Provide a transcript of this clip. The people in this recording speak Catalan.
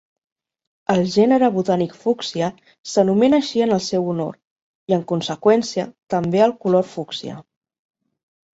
El gènere botànic "Fuchsia" s'anomena així en el seu honor, i en conseqüència, també el color fúcsia.